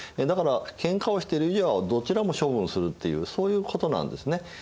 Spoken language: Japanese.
だから喧嘩をしている以上はどちらも処分するっていうそういうことなんですね。